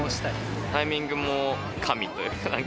タイミングも神というか。